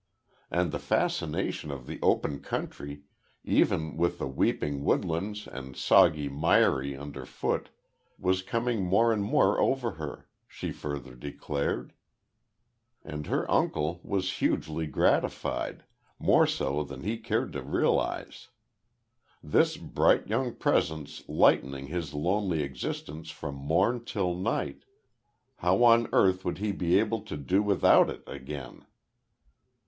And the fascination of the open country, even with the weeping woodlands and soggy, miry underfoot, was coming more and more over her, she further declared. And her uncle was hugely gratified, more so than he cared to realise. This bright young presence lightening his lonely existence from morn till night how on earth would he be able to do without it again?